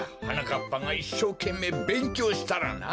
かっぱがいっしょうけんめいべんきょうしたらな。